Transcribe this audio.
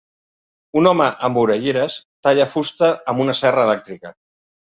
Un home amb orelleres talla fusta amb una serra elèctrica.